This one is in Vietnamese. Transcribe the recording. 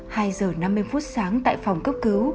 hai h năm mươi sáng tại phòng cấp cứu